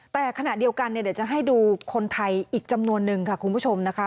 แต่ขณะเดียวกันเดี๋ยวจะให้ดูคนไทยอีกจำนวนนึงค่ะคุณผู้ชมนะคะ